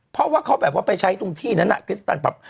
เพราะว่าเขาแบบว่าไปใช้ตรงที่นั้นคริสตันผับ